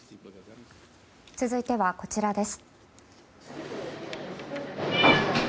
続いては、こちらです。